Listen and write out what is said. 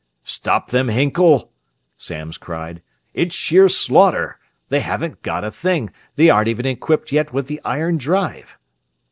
"Stop them, Hinkle!" Samms cried. "It's sheer slaughter! They haven't got a thing they aren't even equipped yet with the iron drive!"